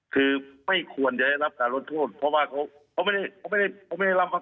คือไม่ควรจะให้รับรหลสโทษเพราะว่าเขา